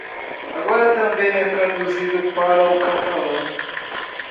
Agora também é traduzido para o catalão.